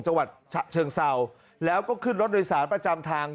จังหวัดฉะเชิงเศร้าแล้วก็ขึ้นรถโดยสารประจำทาง